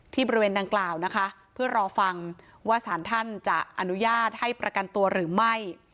บริเวณดังกล่าวนะคะเพื่อรอฟังว่าสารท่านจะอนุญาตให้ประกันตัวหรือไม่